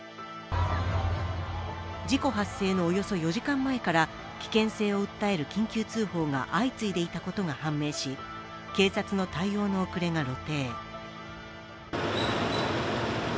事故発生のおよそ４時間前から危険性を訴える緊急通報が相次いでいたことが判明し警察の対応の遅れが露呈。